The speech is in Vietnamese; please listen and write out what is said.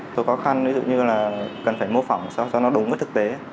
tôi khó khăn ví dụ như là cần phải mô phỏng sao cho nó đúng với thực tế